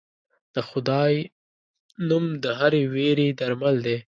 د خدای نوم د هرې وېرې درمل دی.